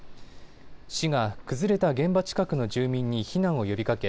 市が崩れた現場近くの住民に避難を呼びかけ